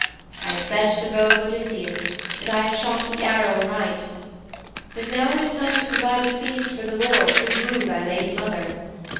I have bent the bow of Odysseus, and I have shot the arrow aright. But now it is time to provide the feast for the lords who woo thy lady mother.